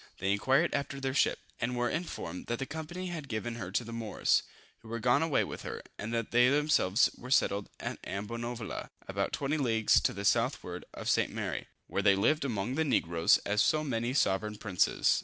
They inquired after their ship, and were informed, that the company had given her to the Moors, who were gone away with her, and that they themselves were settled at Ambonavoula, about 20 leagues to the southward of St. Mary, where they lived among the negroes as so many sovereign princes.